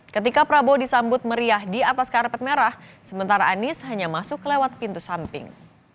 ketika prabowo disambut meriah di atas karpet merah sementara anies hanya masuk lewat pintu samping